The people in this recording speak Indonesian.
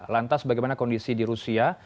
lantas bagaimana kondisi di rusia